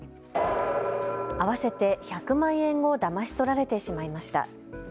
合わせて１００万円をだまし取られてしまいました。